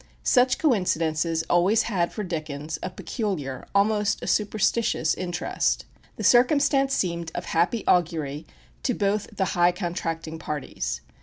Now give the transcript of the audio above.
Such coincidences always had for Dickens a peculiar, almost a superstitious, interest. The circumstance seemed of happy augury to both the "high contracting parties."